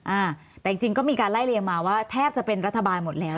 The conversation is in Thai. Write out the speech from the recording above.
อ่าแต่จริงจริงก็มีการไล่เรียงมาว่าแทบจะเป็นรัฐบาลหมดแล้ว